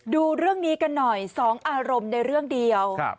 ดูเรื่องนี้กันหน่อยสองอารมณ์ในเรื่องเดียว